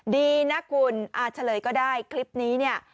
ดีนะคุณเฉลยก็ได้คลิปนี้เนี่ย